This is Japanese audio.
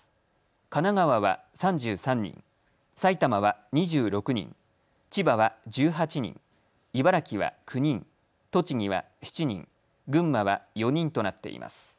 神奈川は３３人、埼玉は２６人、千葉は１８人、茨城は９人、栃木は７人、群馬は４人となっています。